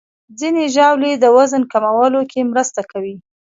ځینې ژاولې د وزن کمولو کې مرسته کوي.